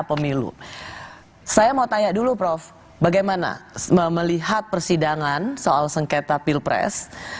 pemilu saya mau tanya dulu prof bagaimana melihat persidangan soal sengketa pilpres